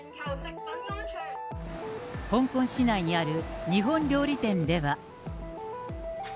香港市内にある日本料理店では。